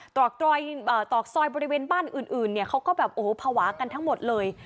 ตรอกซอยบริเวณบ้านอื่นเนี่ยเขาก็แบบโอ้โหภาวะกันทั้งหมดเลย